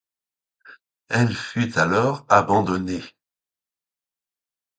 Elle fut alors abandonnée.